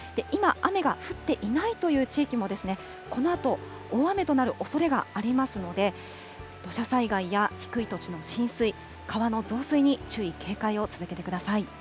今、雨が降っていないという地域も、このあと大雨となるおそれがありますので、土砂災害や低い土地の浸水、川の増水に注意、警戒を続けてください。